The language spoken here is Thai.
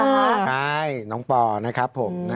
ใช่น้องปอนะครับผม